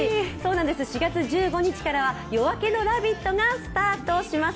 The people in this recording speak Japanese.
４月１５日からは「夜明けのラヴィット！」がスタートします。